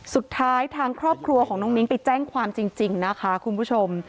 สุดท้ายทางครอบครัวของนังมิงไปแจ้งความจริงนะคะคุณผู้ชม